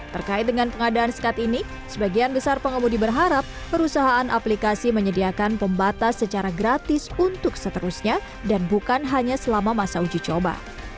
terkait dengan pengadaan sekat ini sebagian besar pengemudi berharap perusahaan aplikasi menyediakan pembatas secara gratis untuk seterusnya dan bukan hanya selama masa uji coba